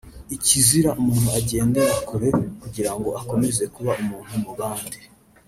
Ikizira umuntu agendera kure kugira ngo akomeze kuba umuntu mu bandi